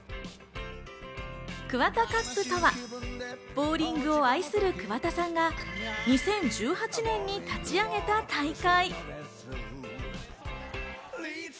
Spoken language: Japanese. ＫＵＷＡＴＡＣＵＰとは、ボウリングを愛する桑田さんが２０１８年に立ち上げた大会。